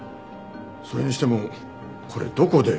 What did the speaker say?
それにしてもこれどこで？